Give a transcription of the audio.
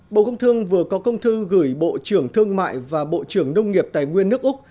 bộ công thương vừa có công thư gửi bộ trưởng thương mại và bộ trưởng nông nghiệp tài nguyên nước úc